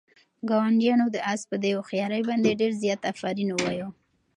ګاونډیانو د آس په دې هوښیارۍ باندې ډېر زیات آفرین ووایه.